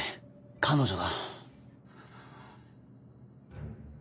彼女だ。